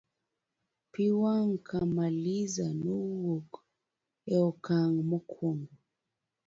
pi wang' Kamaliza nowuok e okang' mokuongo